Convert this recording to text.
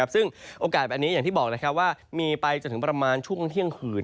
ซึ่งโอกาสแบบนี้อย่างที่บอกว่ามีไปจนถึงประมาณช่วงเที่ยงคืน